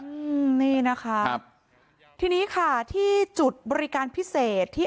อืมนี่นะคะครับทีนี้ค่ะที่จุดบริการพิเศษที่